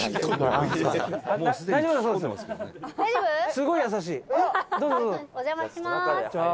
「すごい優しい。